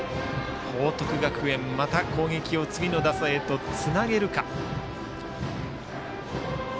報徳学園、また攻撃を次の打者へとつなげるか。